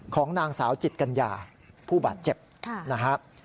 ของนางสาวจิตกัญญาผู้บาดเจ็บนะครับ